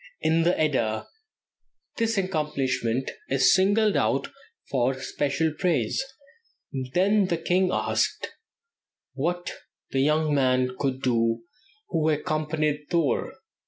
In the "Edda" this accomplishment is singled out for special praise: "Then the king asked what that young man could do who accompanied Thor.